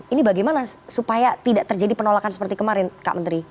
ini bagaimana supaya tidak terjadi penolakan seperti kemarin kak menteri